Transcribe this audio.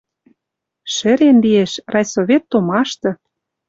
Шӹрен лиэш: райсовет томашты